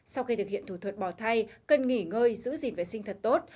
sau khi thực hiện thủ thuật bỏ thai cần nghỉ ngơi giữ gìn vệ sinh thật tốt